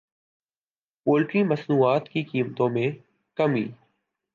poultry مصنوعات کی قیمتوں میں کمی